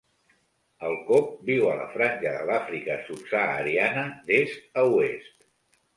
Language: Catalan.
El cob viu a la franja de l'Àfrica subsahariana, d'est a oest.